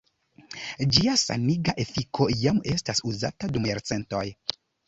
Ĝia saniga efiko jam estas uzata dum jarcentoj.